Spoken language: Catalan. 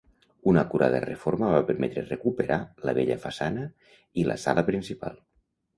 Una acurada reforma va permetre recuperar la bella façana i la sala principal.